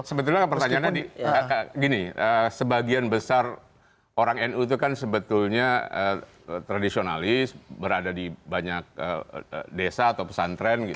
sebetulnya pertanyaannya gini sebagian besar orang nu itu kan sebetulnya tradisionalis berada di banyak desa atau pesantren